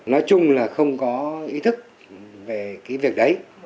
nói chung là không có ý thức về cái việc đấy